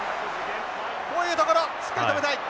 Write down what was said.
こういうところしっかり止めたい。